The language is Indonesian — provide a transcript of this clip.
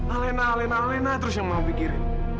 alena alena alena terus yang mau pikirin